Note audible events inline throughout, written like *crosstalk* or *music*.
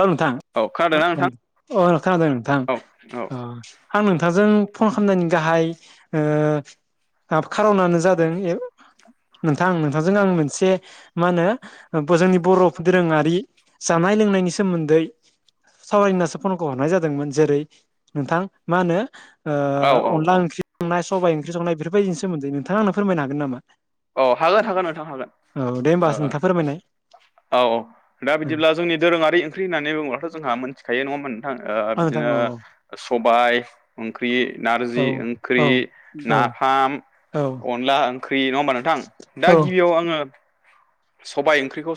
औ नोंथां औ खोनादोंना नोंथां अ नोंथां नोंथां औ अ। आं नोंथांजों फन खामनायनि गाहाय ओ हाब खार'नानो जादों नोंथां नोंथांजों आं मोनसे मा होनो जोंनि बर' दोरोङारि जानाय लोंनायनि स सोमोन्दै सावरायनासो फनखौ हरनाय जादोंमोन जेरै नोंथां मा होनो ओ औ अनला औ ओंख्रि संनाय सबाय ओंख्रि संनाय बेफोरबायदिनि सोमोन्दै नोंथाङा आंनो फोरमायनो हागोन नामा? अ हागोन हागोन नोंथां हागोन औ दे होमबा ओ। नोंथाङा फोरमायनाय औ दा बिदिब्ला जोंनि दोरोङारि ओंख्रि होननानै बुङोब्लाथ' जोंहा मोनथिखायो नङा होनबा नोंथां औ नोंथां बिदिनो औ सबाय ओंख्रि औ नारजि औ ओंख्रि औ नाफाम अनला ओंख्रि नङा होनबा नों थां दा औ गिबियाव आङो सबाइ ओंख्रिखौ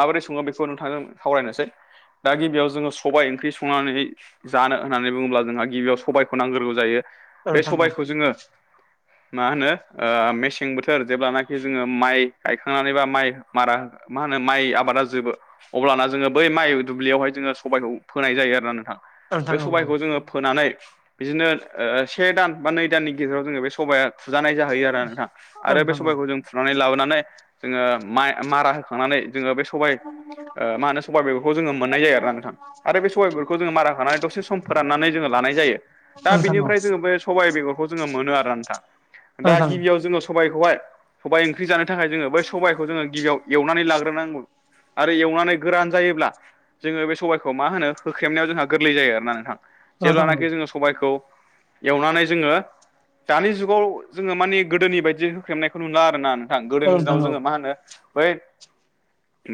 माबोरै सङो बेखौ नोंथांजों सावरायनोसै दा गिबियाव जोङो सबाइ ओंख्रि संनानै जानो होननानै बुङोब्ला जोंहा गिबियाव सबायखौ नांग्रोगौ जायो औ बे नोंथां औ सबायखौ जोङो मा होनो ओ मेसें बोथोर जेब्लानाखि जोङो माइ गायखांनानै बा माइ मारा मा होनो माइ आबादा जोबो अब्लाना जोङो बै माइ दुब्लियावहाय जोङो सबायखौ फोनाय जायो आरोना नोंथां बे नोंथां औ सबाइखौ औ जोङो फोनानै बिदिनो ओ से दान बा नै दाननि गेजेराव जोङो बे सबाया फुजानाय जाहैयो आरोना नोंथां औ आरो बे नोंथां औ सबाइखौ जों फुनानै लाबोनानै जोङो माइ मारा होखांनानै जोङो बे सबाय *inaudible* ओ मा होनो सबाइ मैगंखौ जोङो मोननाय जाया आरोना नोंथां। आरो बे सबाइफोरखौ जोङो मारा होनानानै दसे सम फोराननानै जोङो लानाय जायो दा नोंथां औ बिनिफ्राय जोङो बे सबाइ बेगरखौ जोङो मोनो आरो आरो ना नोंथां दा नोंथां औ गिबियाव जोङो सबाइखौहाय सबाइ ओंख्रि जानो थाखाय जोङो बै सबायखौ जोङो गिबियाव एवनानै लाग्रोनांगौ आरो एवनानै गोरान जायोब्ला जोङो बे सबाइखौ मा होनो होख्रेमनायाव जोंहा गोरलै जायो आरोना नोंथां नोंथां औ जेब्लानाखि जोङो सबायखौ एवनानै जोङो दानि जुगाव जोङो माने गोदोनि बायदि होख्रेबनायखौ नुला आरोना नोंथां औ गोदोनि नोंथां दिनाव औ जोङो मा होनो बै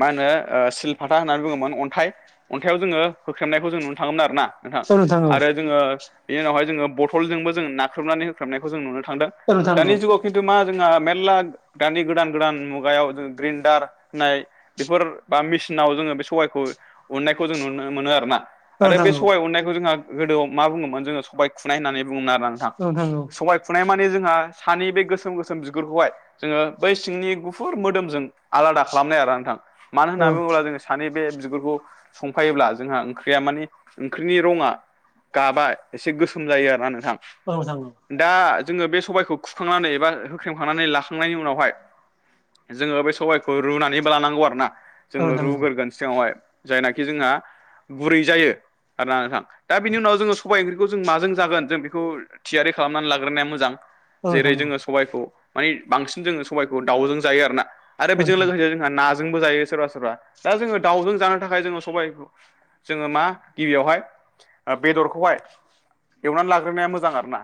मा होनो ओ सिलफाथा होननानै बुङोमोन अन्थाइ अन्थाइाव जोङो होख्रेबनायखौ जों नुनो थाङोमोन आरोना। नोंथां औ औ आरो जोङो बेनि उनावहाय जोङो बथलजोंबो जोङ नाख्रेनानै होख्रबनायखौ जों नुनो थांदों। औ नोंथां दानि जुगाव खिन्थु मा जोंहा मेर्ला दानि गोदान गोदान मुगायाव ग्रिन्डार होननाय बेफोर बा मेसिनाव जोङो बे सबायखौ उननायखौ जों नुनो मोनो आरो ना आरो औ बे सबाइ उननायखौ जोंहा गोदोआव मा बुङोमोन जोंङो सबबाय खुनाय होननानै बुङोमोन आरोना नोंथां औ औ सबाइ फुनाय माने जोंहा सानि बे गोसोम गोसोम बिगुरखौहाय जोङो बै सिंनि गुफुर मोदोमजों आलादा खालामनाय आरो नोंथां मानो औ होननानै बुङोब्ला जोङो सानि बे बिगुरखौ संफायोब्ला जोंहा ओंख्रिया माने ओंख्रिनि रङा गाबा एसे गोसोम जायो आरोना नोंथां औ थांगोन दा जोङो बे सबायखौ खुखांनानै एबा होख्रेमखांनानै लाखांनायनि उनावहाय जोङो बे सबबायखौ रुनानैबो लानांगौ आरो ना औ नोंथां औ जोङो नोंथां औ नोंथां औ रुगोरगोन सिगाङावहाय जायनाखि जोंहा गुरै जायो आरोना नोंथां दा बिनि उनाव जोङो सबाय ओंख्रिखौ जों माजों जागोन जों बेखौ थियारि खालामनानै लाग्रोनाया मोजां जेरै जोङो सबाइखौ माने बांसिन जोङो सबाइखौ दाउजों जायो आरोना आरो औ बेजों लोगोसे जोंहा नाजोंबो जायो सोरबा सोरबा दा जोङो दाउजों जानो थाखाय जोङो सबाइखौ जोङो मा गिबियावहाय बेदरखौहाय एवनानै लाग्रोनाया मोजां आरोना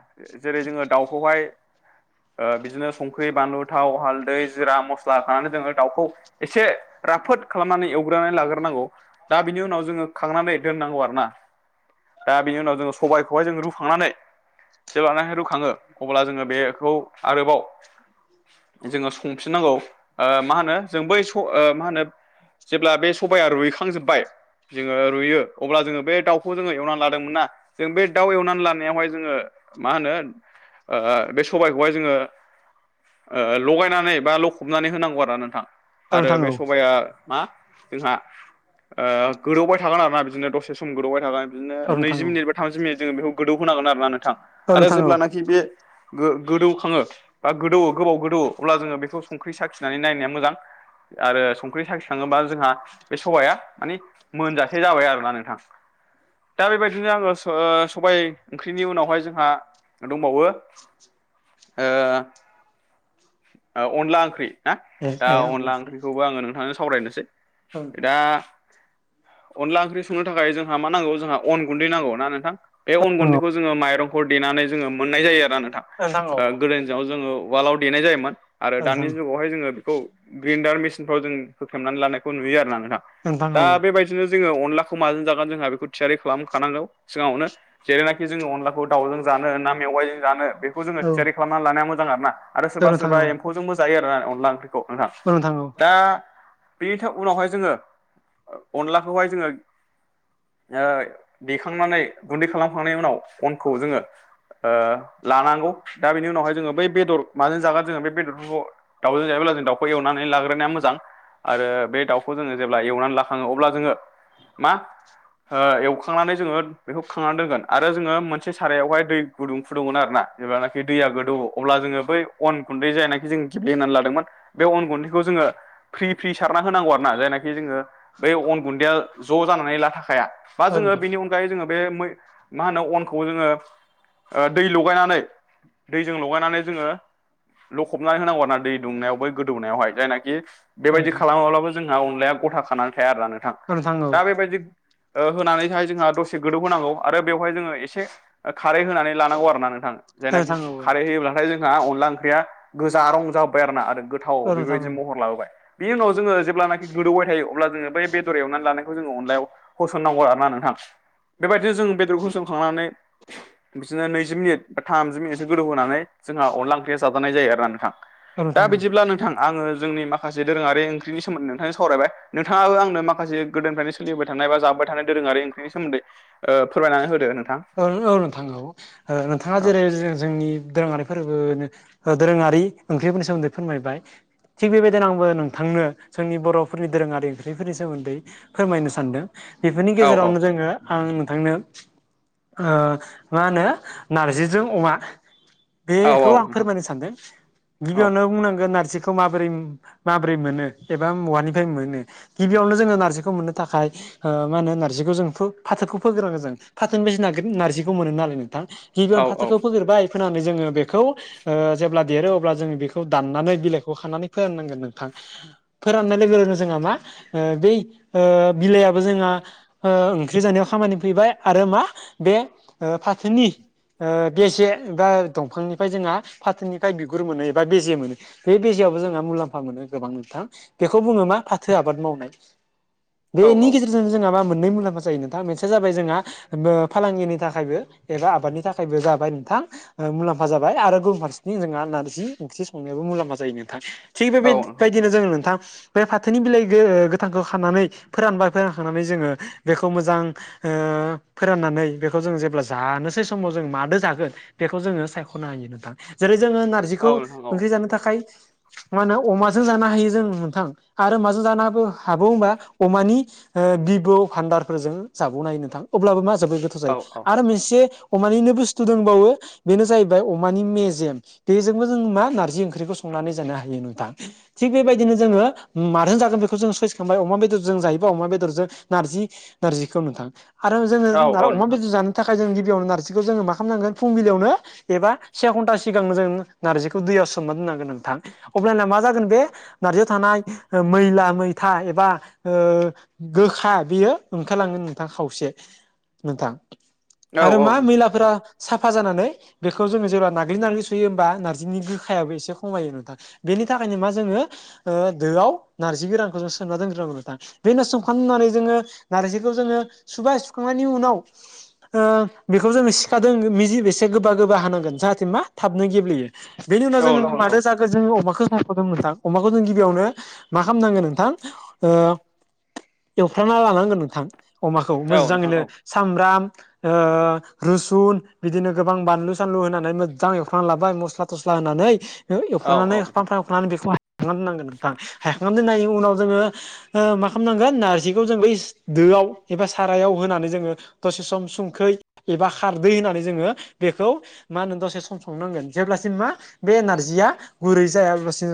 जेरै जोङो दाउखौहाय ओ बिदिनो संख्रि, बानलु, थाव, हालदै जिरा मस्ला होनानै जोङो दाउखौ एसे राफोद खालामनानै एवग्रोनानै लाग्रोनांगौ दा बिनि उनाव जोङो खांनानै दोननांगौ आरो ना दा बिनि उनाव जोङो सबायखौहाय जोङो रुखांनानै जेब्लानाहाय रुखाङो अब्ला जोङो बेखौ आरोबाव जोङो संफिननांगौ ओ मा होनो जों बै स मा होनो जेब्ला बे सबाइया रुइखांजोबबाय जोङो रुइयो अब्ला जोंङो बे दाउखौ जोङो एवनानै लादोंमोन ना जों बे दाउ एवनानै लानायावहाय जोङो मा होनो ओ बे सबायखौहाय जोङो ओ लगायनानै बा ल' हमनानै होनांगौ आरो नोंथां आरो बे सबाइया मा जोंहा ओ गोदौबाय थागोन आरोना बिदिनो दसे सम गोदौबाय थागोन बिदिनो नोंथां औ नैजि मिनिट बा थामजि मिनिट जोङो बेखौ गोदौहोनो नांगोन आरोना नोंथां औ आरो नोंथां औ जेब्लानाखि बे गो-गोदौखांङो बा गोदौवो गोबाव गोदौवो अब्ला जोङो बेखौ संख्रि साखिनानै नायनाया मोजां आरो संख्रि साखिखाङोबा जोंहा बे सबाया मानि मोनजासे जाबाय आरोना नोंथां दा बेबायदिनो आङो सबाय ओंख्रिनि उनावहाय जोंहा दंबावो ओ अनला ओंख्रि ना ए दा ए औ नोंथां औ नोंथां औ नोंथां नोंथां अनला औ ओंख्रिखौबो आङो नोंथांजों सावरायनोसै औ नोंथां औ नोंथां औ नोंथां औ नोंथां औ नोंथां औ नोंथां औ दा अनला ओंख्रि संनो थाखाय जोंहा मा नांगौ जोंहा अन गुन्दै नांगौ ना नोंथां बे अन गुन्दैखौ जों माइरंखौ देनानै जोंङो मोननाय जायो आरो नोंथा गोदोनि जोङो उवालाव देनाय जायोमोन आरो दानि जुगावहाय जोङो बेखौ ग्रिनडार मेसिनफ्राव जों होख्रेमनानै लानायखौ नुयो आरोना नोंथा दा बेबायदि बिदिनो जोङो अनलाखौ माजों जागोन जोंहा बेखौ थियारि खालामखानांगौ सिगाङावनो जेरैनाखि जोंङो अनलाखौ दाउजों जानो ना मेवाइजों जानो बे बे जोंङो थियारि खालामनानै लानाया मोजां आर ना आरो सोरबा सोरबा एम्फौजोंबो जायोना अनला ओंख्रि अ नोंथां दा बेनि उनावहाय जोंङो ओ अनलाखौहाय जोङो ओ देखांनानै गुन्दै खालामखांनायनि उनाव अनखौ जोङो ओ लानांगौ दा बिनि उनावहाय जोङो बै बेदर माजों जागोन जोंङो बेदरफोरखौ दाउजों जायोब्ला जों दाउखौ एवनानै लाग्रोनाया मोजां आरो बे दाउखौ जोंङो जेब्ला एवनानै लाखांङो अब्ला जोंङो मा ओ एवखांनानै जोंङो बेखौ खांनानै दोनगोन आरो जोंङो मोनसे सारायावहाय दै गुदुं फुदुंगमोन आरो ना जेब्लानाखि दैया गोदौ अब्ला जोङो बै अन गुन्दै जायनाखि जों दिब्लेनानै लादोंमोन बे अन गुन्दैखौ जोङो फ्रि फ्रि सारना होनांगौ आरो ना जायनाखि जोङो बै अन गुन्दैया ज' जानानै ला थाखायाया बा जोङो बेनि उन हाय बे मा होनो अनखौ जोङो ओ दै लगायनानै दैजों लगायनानै जोङो लखबनानै होनांगौ आरो ना दै दुंनायाव बै गोदौनायावहाय जायनाखि बेबायदि खालामाब्लाबो जोंहा अनलाया गथा खानानै थाया आरोना नोंथां दा बेबायदि ओ होनानैहाय जोंहा दसे गोदौ होनांगौ आरो बेवहाय जोङो एसे खारै होनानै लानांगौ आरोना नोंथां जायनाखि खारै होयोब्लाथाय जोंहा अनला ओंख्रिया गोजा रं जाबोबाय आरो ना आरो गोथाव बेबायदि महर लाबोबाय बि उनाव जोङो जेब्लानाखि गोदौबाय थायो अब्ला जोङो बेदर एवनानै लानायखौ जोङो अनलायाव होसनांगौ आरो ना नोंथां बेबायदिनो जों बेदरखौ सोंखांनानै बिदिनो नैजि मिनिट बा थामजि मिनिटसो गोदौ होनोनानै जोंहा अनला ओंख्रिया जाजानाय जायो आरो ना नोंथां औ दा नोंथां औ बिदिब्ला नोंथां आङो जोंनि मासे दोरोङारि ओंख्रिनि सोमोन्दै नथांजों सावरायबाय नोंथाङाबो आंनो माखासे गोदोनिफ्रायनो सोलिबोबाय थानाय बा जाबाय थानाय दोरङारि ओंख्रिनि सोमोन्दै ओ फोरमायनानै होदो नोंथां औ औ नोंथां औ नोंथाङा औ जेरै जोंनि दोरोङारि फोरबोनो दोरोङारि ओंख्रिफोरनि सोमोन्दै फोरमायबाय थिग बेबायदिनो आंबो नोंथांनो जोंनि बर'फोरनि दोरोङारि ओंख्रिफोरनि सोमोन्दै फोरमायनो सानदों बेफोरनि औ औ गेजेरावनो जोङो आं नोंथांनो ओ मा होनो नारजिजों अमा औ बेखौ औ आं नोंथां फोरमायनो सानदों औ गिबियावनो बुंनांगोन नारजिखौ माबोरै माब्रै मोनो एबा मवानिफ्राय मोनो गिबियावनो जोङो नारजिखौ मोननो थाखाय ओ मा होनोारजिखौ जों फाथोखौ फोग्रोनांगो जों फाथोनि बसिनार नारजिखौ मोनो नालाय नोंथां औ गिबियावनो औ फाथोखौ फोग्रबाय फोननानै जोङो बेखौ ओ जेब्ला देरो अब्ला जों बेखौ दाननानै बिलाइखौ खानानै फोराननांगोन नोंथां। फोराननाय लोगो लोगोन जोंहा मा ओ बै बिलाइयाबो जोंहा ओंख्रि जानायाव खामानि फैबाय आरो मा बे फाथोनि बेसेे बा दंफांनिफ्राय जोंहा फाथोनिफ्राय बिगुर मोनो एबा बेजे मोनो बे बिजजेयावबो जोंहा मुलाम्फा मोनो गोबां नोंथां बेखौ बुङो मा फाथो आबाद मावनाय औ बेनि गेजेरजों जोंहा मा मोननै मुलाम्फा जायो नोंथाङां मोनसेया जाबाय जोंहा फालांगिनि थाखायबो एबा आबादनि थाखायबो जाबाय नोंथां ओ मुलाम्फा जाय आरो गुबुन फारसेनि जोंहा नारजि ओंख्रि संनायाबो मुलाम्फा जायो नोंथां थिग बे औ नोंथां बेबायदिनो जोङ नोंथां बे फाथोनि बिलाइ गो-गोथांखौ खानानै फोरानबाय फोरानखांनानै जोङो बेखौ मोजां ओ फोराननानै नै बेखौ जों जेब्ला जानोसै समाव जों मादो जागोन बेखौ जोङो सायख'नो हायो नोंथां। जेरै जोङो औ नारजिखौ नोंथां औ ओंख्रि जानो थाखाय मा होनो अमाजों जानो हायो जों नोंथां आरो माजों जानो हो हाबो होनोमबा अमानि ओ भिभ' भान्दारफोरजों जाबावनो हायो नोंथां अब्लाबो मा जबोद गोथाव जायो औ आरो मोनसे अमानिनो बुस्थु दंबावो बेनो जाहैबाय अमानि मेजेम बेजोंबो जों मा नारजि ओंख्रिखौ संनानै जानो हायो नोंथां। थिग बेबायदिनो जोङो मारों जागोन बेखौ जों सइस खालामबाय अमा बेदरजों जायोबा अमा बेदरजों नारजि नारजिखौ नुथां आरो जोङो औ नोंथां फुज जानो थाखाय जों गिबियाव नारजिखौ जोङो मा खालामनांगोन फुंबिलियावनो एबा से घन्टा सिगांनो जों नारजिखौ दैयावसोमनानै दोननांगोन नोंथां अब्लाना मा जागोन बे नारजियाव थानाय मैला मै था एबा ओ गोखा बियो ओंखारलङोन नोंथाङा खावसे नोंथां औ आरो मा मैलाफोरा। नोंथां साफा जानानै बेखौ जोङो जेब्ला नाग्लि नाग्लि सुयो होमबा नारजि गोखायाबो एसे खमायो नोंथां। बेनि थाखायनो मा जोङो दोआव नारजि गोरानखौ जों सोमना दोनग्रांगौ नोंथां। बे नस्थं खालामनानै जोङो नारजिखौ जोङो सुबाय सुखांनायनि उनाव बेखौ जोङो सिखादों मिजि एसे गोबा गोबा हानांगोन जाहाथे मा थाबनो गेब्लेयो। बेनि उनाव औ जोङो नोंथां औ नोंथां औ मादों जागोन। जों अमाखौ सायख'दों नोंथां अमाखौ जों गिबियावनो मा खालामनांगोन नोंथां। एवफ्राना लानांगोन नोंथां अमाखौ औ नोंथां मोजाङैनो औ सामब्राम ओ रोसुन बिदिनो गोबां बानलु सानलु होनानै मोजां एवखांनानै लाबाय मस्ला थस्ला होनानै औ एवफ्रानानै फ्राम नानै बेखौ हायखांनानै दोननांगोन नोंथां हायखांनानै दोननायनि उनाव जोङो। ओ मा खालामनांगोन नारजिखौ जों बै दोआव एबा सारायाव होनानै। जोङो दसे सम संखै एबा खारदै होननानै जोङो बेखौ मा होनो दसे सम संनांगोन जेब्लासिम मा बे एनारजिया गुरै जाया अब्लासिम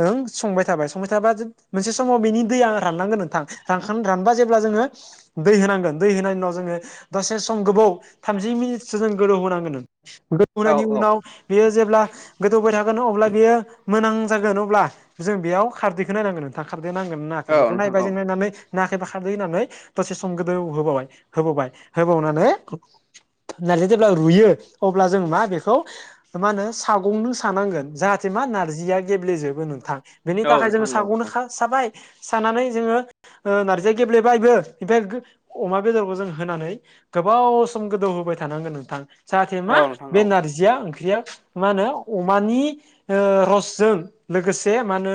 ओं संबाय थाबाय संबाय थाबा मोनसे समाव बेनि दैया राननांगोन नोंथां रानबा जेब्ला जोङो दै होनांगोन। नि उनाव जोङो दसे सम गोबाव थामजि मिनिटसो जों गोलौ होनांगोन। उनाव न बियो जेब्ला गोदौबाय थागोन अब्ला बियो मोनां जागोन अब्ला जों बेयाव खारदैखौ नायनांगोन नोंथां खारदै नांगोन होनाखै औ बेखौ नोंथां नायबाय औ जों नायनानै। नाखैबा खारदो होनानै दसे सम गोदो। होबावनानैजि जेब्ला रुयो अब्ला जों मा खौ मा होनो सागंनो सानांगोन जाहाथे मा नारजिया गेब्लेजोबो नोंथां बेनि औ थाखाय जोङो नोंथां औ नोंथां औ साग'नोखा साबाय सानानै जोङो नारजिया गेब्लेबायबो ओमफ्राय अमा बेदरखौ जों होनानै गोबाव सम गोदौ होबाय थानांगोन नोंथां। जाहाथे मा औ नोंथां बे औ नारजिया ओंख्रिया मा होनो अमानि रसजों लोगोसे मा होनो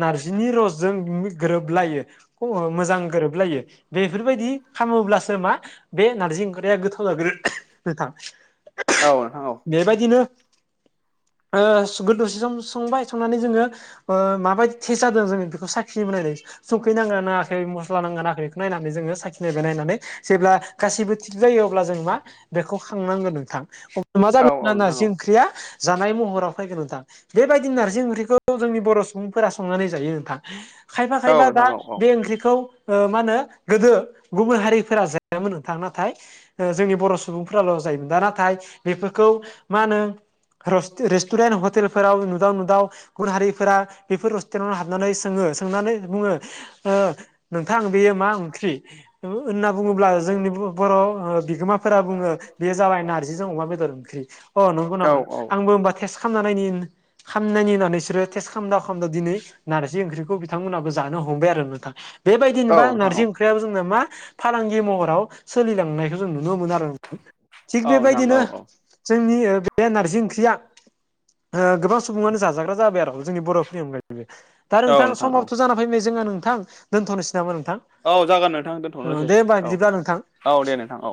नारजिनि रसजों गोरोबलायो मोजां गोरोबलायो बे बेफोरबायदि खालामोब्लासो मा बे नारजि ओंखरया गोथाव जाग्रो नोंथां औ औ बेबायदिनो गो दसे सम संबाय संनानै जोङो माबायदि थटेेज जादों जोङो बेखौ साखि बायदों। सौखैनांगोन नाखै मस्ला नांगोन नाखै बेखौ नायनानै जोङो साखिनायबाय नायनानै जेब्ला गासिबो थिग जायो अब्ला जों मा बेखौ खांनांगोन नोंथां। मा औ जानो औ नोंथां औ नारजि ओंख्रिया जानाय महराव फैगोन नोंथां। बेबायदि नारजि ओंख्रिखौ जोंनि बर' सुबुंफोरा संनानै जायो नोंथां। खायफा औ खायफा दा नोंथां औ औ औ बे ओंख्रिखौ मा होनो। गोदो गुबुन हारिफोरा जायामोन नोंथां नाथाय। ओ जोंनि बर' सुबुंफोराल' जायोमोन दा नाथाय बेफोरखौ मा होनो रस-रेस्टुरेन्ट हटेलफोराव नुदाव नुदाव गुबुन हारिफोरा बेफोर रस्टुरेन्टाव हाबनानै सोङो सोंनानै बुङो ओ नोंथां बेयो मा ओंख्रि होनना बुङोब्ला जोंनि बर' बिगोमाफोरा बुङो बे जाबाय नारजिजों अमा बेदर ओंख्रि अ नंगौ नामा आंबो बा थेस खालामनायनि होननानै बिसोरो टेस् खालाम दिनै नारजि ओंख्रिखौ बिथांमोनहाबो जानो हमबाय आरो नोंथां औ बेबायदिनोबा नोंथां नारजि औ बो जोंना मा फालांगि महराव सोलिलांनायखौ जों नुनो मोन आरो थिग औ नोंथां बेबायदिनो औ औ जोंनि बे नारजि ओंख्रिया ओ गोबां सुबुङानो जाजाग्रा जाबाय आरो जोंनि बर'फोरनि अनगायैबो दा औ नोंथां औ समावथ' जाना फैबाय जोना नोंथां दोनथ'नोसै नामा नोंथां औ जागोन नोंथां ओ दोनथ'नोसै दे होमबा औ बिदिब्ला नोंथां औ दे नोंथां औ